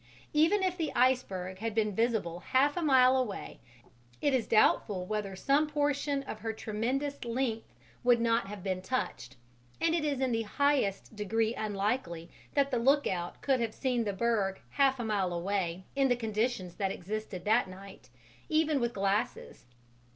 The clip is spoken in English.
Even if the iceberg had been visible half a mile away it is doubtful whether some portion of her tremendous length would not have been touched, and it is in the highest degree unlikely that the lookout could have seen the berg half a mile away in the conditions that existed that night, even with glasses.